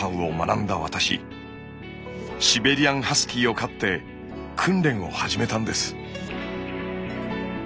シベリアン・ハスキーを飼って訓練を始めたんです。